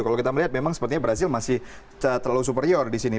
kalau kita melihat memang sepertinya brazil masih terlalu superior di sini